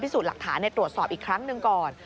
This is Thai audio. สูจน์หลักฐานตรวจสอบอีกครั้งหนึ่งก่อน